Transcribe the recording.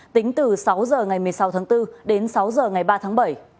tính từ sáu giờ ngày một mươi sáu tháng bốn đến sáu giờ ngày ba tháng bảy